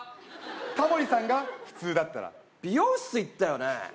タモリさんが普通だったら美容室行ったよね？